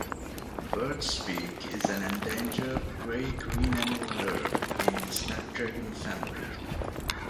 Bird's-beak is an endangered gray-green annual herb in the snapdragon family.